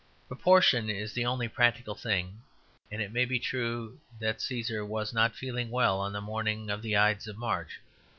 Proportion is the only practical thing; and it may be true that Cæsar was not feeling well on the morning of the Ides of March.